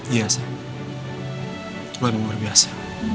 iya saya luar biasa